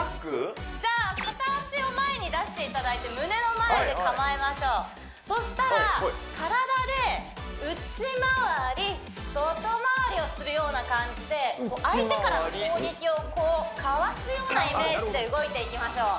じゃあ片足を前に出していただいて胸の前で構えましょうそしたら体で内回り外回りをするような感じで相手からの攻撃をこうかわすようなイメージで動いていきましょう